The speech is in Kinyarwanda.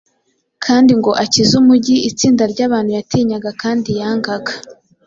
kandi ngo akize umujyi itsinda ry’abantu yatinyaga kandi yangaga,